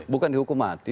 bukan dihukum mati